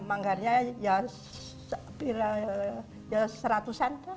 manggarnya ya ya seratusan